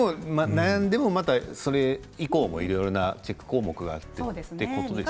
悩んで以降もいろいろなチェック項目があるということですね。